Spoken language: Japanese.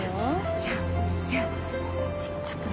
いや違うちょっとね。